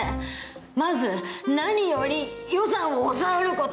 まず何より予算を抑えること。